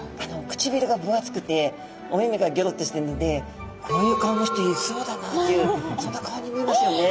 くちびるが分厚くてお目目がぎょろってしてるのでこういう顔の人いそうだなっていうそんな顔に見えますよね。